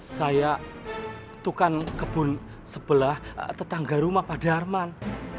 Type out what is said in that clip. saya tukang kebun sebelah tetangga rumah pak darman